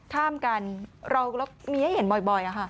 ข้ามกันเรามีให้เห็นบ่อย